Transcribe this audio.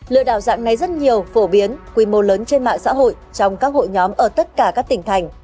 lừa đảo dạng này rất nhiều phổ biến quy mô lớn trên mạng xã hội trong các hội nhóm ở tất cả các tỉnh thành